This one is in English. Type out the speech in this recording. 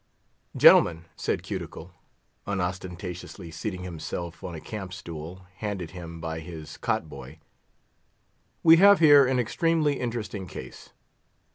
"Gentlemen," said Cuticle, unostentatiously seating himself on a camp stool, handed him by his cot boy, "we have here an extremely interesting case.